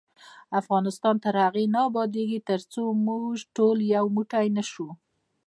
افغانستان تر هغو نه ابادیږي، ترڅو موږ ټول یو موټی نشو.